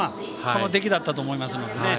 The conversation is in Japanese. この出来だったと思いますのでね。